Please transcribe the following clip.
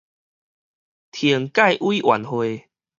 懲戒委員會